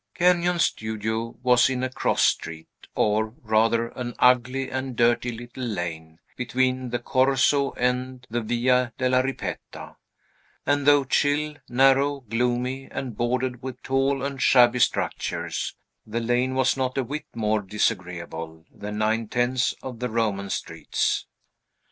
Kenyon's studio was in a cross street, or, rather, an ugly and dirty little lane, between the Corso and the Via della Ripetta; and though chill, narrow, gloomy, and bordered with tall and shabby structures, the lane was not a whit more disagreeable than nine tenths of the Roman streets.